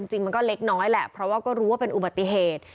จริงมันก็เล็กน้อยแหละเพราะว่าก็รู้ว่าเป็นอุบัติเหตุ